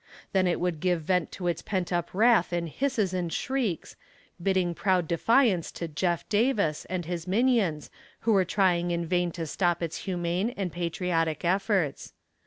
Then it would give vent to its pent up wrath in hisses and shrieks, bidding proud defiance to Jeff. Davis and his minions, who were trying in vain to stop its humane and patriotic efforts.